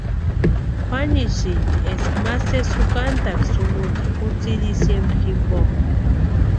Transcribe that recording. Kwʼanisïnti eska ma sési jukantaaka sununta kutsï diciembre jimpo.